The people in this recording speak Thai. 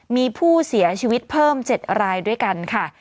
มีผู้เสียชีวิตเพิ่ม๗รายด้วยกันค่ะ